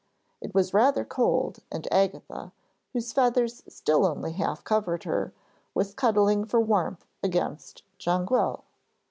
It was rather cold, and Agatha, whose feathers still only half covered her, was cuddling for warmth against Jonquil.